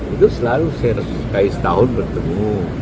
itu selalu saya resmi setahun bertemu